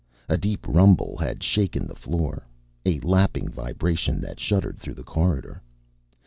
A deep rumble had shaken the floor, a lapping vibration that shuddered through the corridor.